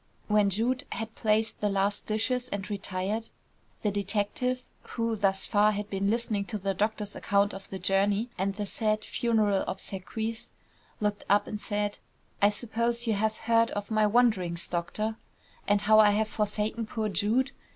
When Jude had placed the last dishes and retired, the detective, who thus far had been listening to the doctor's account of the journey and the sad funeral obsequies, looked up and said: "I suppose you have heard of my wanderings, doctor, and how I have forsaken poor Jude?